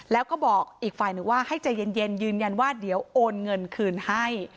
แล้วก็บอกอีกฝ่ายหนึ่งว่าให้ใจเย็นยืนยันว่าเดี๋ยวโอนเงินคืนให้